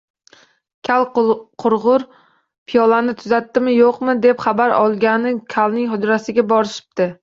Kal qurg‘ur piyolani tuzatdimi, yo‘qmi, deb xabar olgani kalning hujrasiga borishibdi